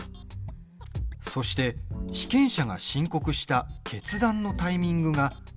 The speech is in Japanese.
そして、被験者が申告した決断のタイミングがこの範囲。